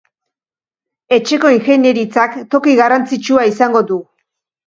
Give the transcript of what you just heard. Etxeko ingeniaritzak toki garrantzitsua izango du.